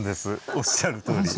おっしゃるとおり。